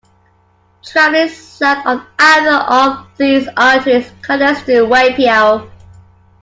Travelling south on either of these arteries connects to Waipio.